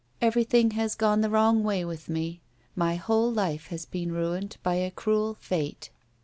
"Everything has gone the wrong way with me. My whole life has been ruined by a cruel Fate."